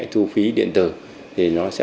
thu phí điện tử thì nó sẽ